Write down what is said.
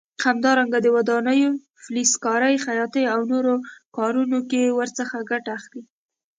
همدارنګه د ودانیو، فلزکارۍ، خیاطۍ او نورو کارونو کې ورڅخه ګټه اخلي.